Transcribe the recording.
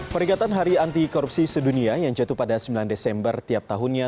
peringatan hari anti korupsi sedunia yang jatuh pada sembilan desember tiap tahunnya